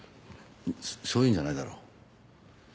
そういうんじゃないだろう。